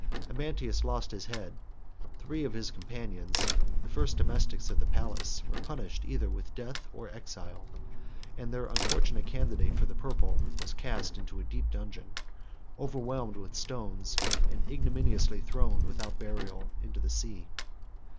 6 Amantius lost his head; three of his companions, the first domestics of the palace, were punished either with death or exile; and their unfortunate candidate for the purple was cast into a deep dungeon, overwhelmed with stones, and ignominiously thrown, without burial, into the sea.